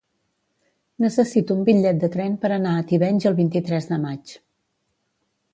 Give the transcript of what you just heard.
Necessito un bitllet de tren per anar a Tivenys el vint-i-tres de maig.